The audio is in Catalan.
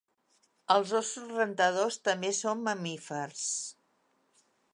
Els óssos rentadors també són mamífers.